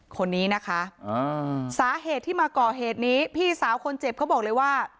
คนนี้นะคะสาเหตุที่มาก่อเหตุนี้พี่สาวคนเจ็บเขาบอกเลยว่า